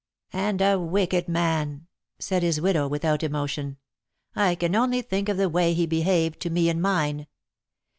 "And a wicked man," said his widow, without emotion. "I can only think of the way he behaved to me and mine.